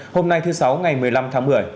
hôm nay thứ sáu ngày một mươi năm tháng một mươi